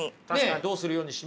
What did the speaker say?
どうするようにしました？